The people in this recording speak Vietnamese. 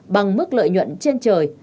bằng mức lợi nhuận trên trời